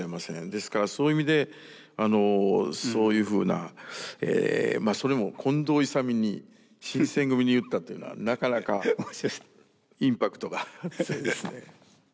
ですからそういう意味でそういうふうなそれも近藤勇に新選組に言ったっていうのはなかなかインパクトが強いですね。